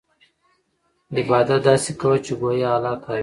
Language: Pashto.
عبادت داسې کوه چې ګویا اللهﷻ تا ویني.